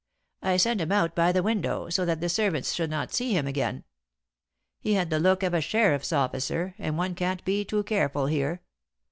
I sent him out by the window, so that the servants should not see him again. He had the look of a sheriff's officer, and one can't be too careful here.